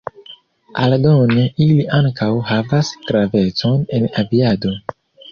Aldone ili ankaŭ havas gravecon en aviado.